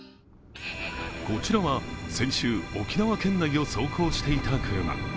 こちらは先週、沖縄県内を走行していた車。